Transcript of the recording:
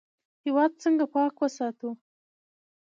هیواد څنګه پاک وساتو؟